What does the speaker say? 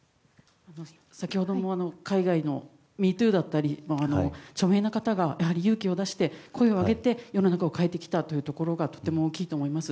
先ほども、海外のＭＥＴｏｏだったり著名な方が勇気を出して声を上げて世の中を変えてきたということがとても大きいと思います。